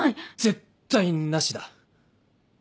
絶対なしだ。